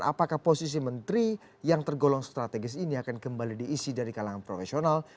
apakah posisi menteri yang tergolong strategis ini akan kembali diisi dari kalangan profesional